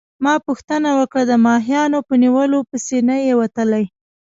ما پوښتنه وکړه: د ماهیانو په نیولو پسي نه يې وتلی؟